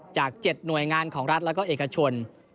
จาก๗หน่วยงานของรัฐแล้วก็เอกชน